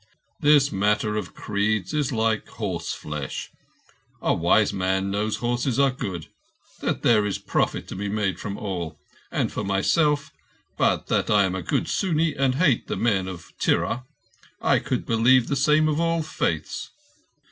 This matter of creeds is like horseflesh. The wise man knows horses are good—that there is a profit to be made from all; and for myself—but that I am a good Sunni and hate the men of Tirah—I could believe the same of all the Faiths.